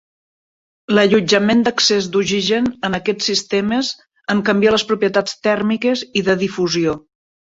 L'allotjament d'excés d'oxigen en aquests sistemes en canvia les propietats tèrmiques i de difusió.